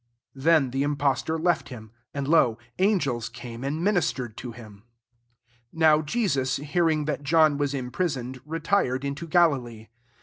" 11 Then the impostor left him : and, lo, angels came and minis tered to him. 1 2 NOW [Jesua'] hearing that John waa imprisoned, retired into Galilee.